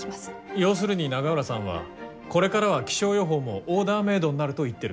要するに永浦さんはこれからは気象予報もオーダーメードになると言ってるんでしょ？